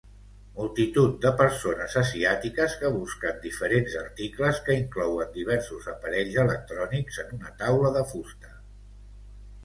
Multitud de persones asiàtiques que busquen diferents articles que inclouen diversos aparells electrònics en una taula de fusta.